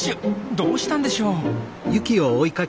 どうしたんでしょう？